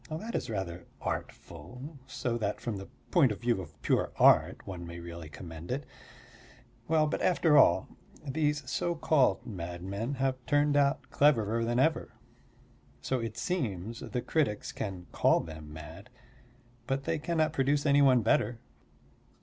That is rather artful; so that from the point of view of pure art one may really commend it. Well, but after all, these so called madmen have turned out cleverer than ever. So it seems the critics can call them mad, but they cannot produce any one better.